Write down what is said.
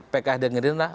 pks dan gerindah